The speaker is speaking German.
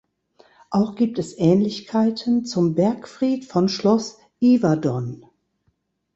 Auch gibt es Ähnlichkeiten zum Bergfried von Schloss Yverdon.